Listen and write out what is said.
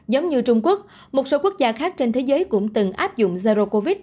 giống như trung quốc một số quốc gia khác trên thế giới cũng từng áp dụng zero covid